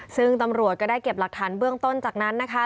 ซึ่งตำรวจก็ได้เก็บหลักฐานเบื้องต้นจากนั้นนะคะ